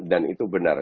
dan itu benar